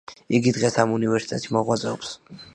იგი დღეს ამ უნივერსიტეტში მოღვაწეობს.